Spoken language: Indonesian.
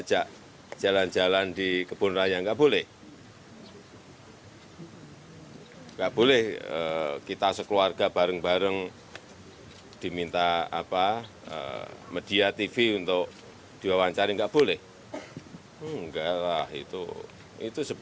jokowi menegaskan ia tidak pernah mengajak sang cucu dalam forum kampanye politik